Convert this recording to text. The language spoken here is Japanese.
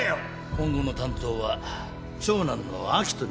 今後の担当は長男の明人に任せます。